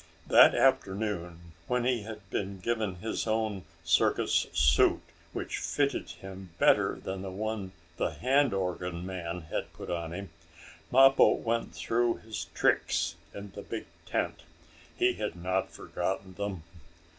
That afternoon, when he had been given his own circus suit, which fitted him better than the one the hand organ man had put on him, Mappo went through his tricks in the big tent. He had not forgotten them.